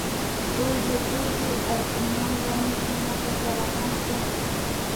Tullu tullu allkumanka mikunata karanami kan